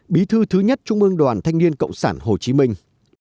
bí thư thứ nhất trung ương đoàn thanh niên cộng sản hồ chí minh